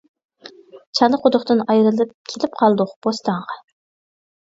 چالا قۇدۇقتىن ئايرىلىپ، كېلىپ قالدۇق بوستانغا.